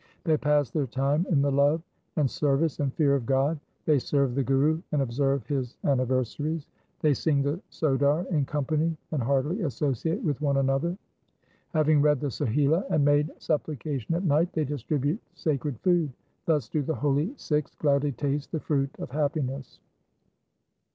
They pass their time in the love and service and fear of God. They serve the Guru and observe his anniversaries. They sing the Sodar in company and heartily associate with one another Having read the Sohila and made supplication at night, they distribute sacred food. Thus do the holy Sikhs gladly taste the fruit of happiness.